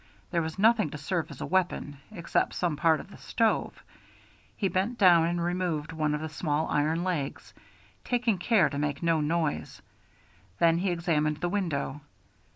There was nothing to serve as a weapon, except some part of the stove. He bent down and removed one of the small iron legs, taking care to make no noise. Then he examined the window.